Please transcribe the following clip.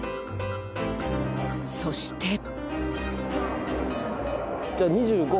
そして。